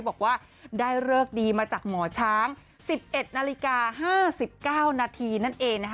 บอกว่าได้เลิกดีมาจากหมอช้าง๑๑นาฬิกา๕๙นาทีนั่นเอง